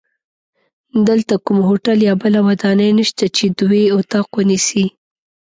دلته کوم هوټل یا بله ودانۍ نشته چې دوی اتاق ونیسي.